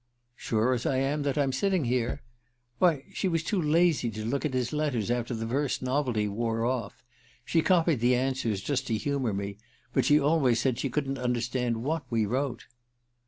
"Sure as I am that I'm sitting here. Why, she was too lazy to look at his letters after the first novelty wore off. She copied the answers just to humor me but she always said she couldn't understand what we wrote."